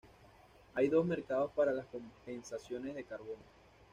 Hay dos mercados para las compensaciones de carbono.